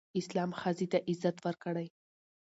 اسلام ښځې ته عزت ورکړی